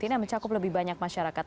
ini yang mencakup lebih banyak masyarakat